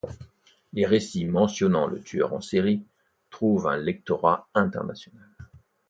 Les récits mentionnant le tueur en série trouvent un lectorat international.